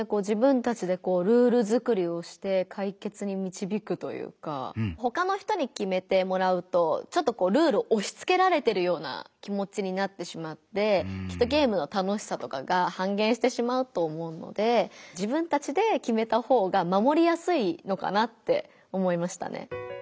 自分たちでこうルール作りをして解決にみちびくというかほかの人に決めてもらうとちょっとこうルールをおしつけられてるような気もちになってしまってきっとゲームの楽しさとかが半減してしまうと思うので自分たちで決めた方がまもりやすいのかなって思いましたね。